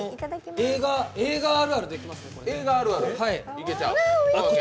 映画あるあるできますね、これ。